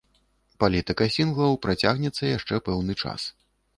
Палітыка сінглаў працягнецца яшчэ пэўны час.